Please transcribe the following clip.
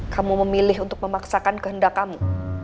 kamu memilih untuk memaksakan kehendak kamu